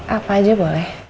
apa aja boleh